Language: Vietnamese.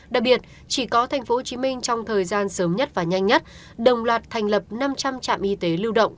đặc biệt chỉ có tp hcm trong thời gian sớm nhất và nhanh nhất đồng loạt thành lập năm trăm linh trạm y tế lưu động